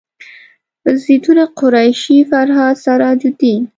زیتونه قریشي فرهاد سراج الدین